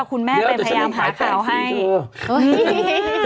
ค่ะ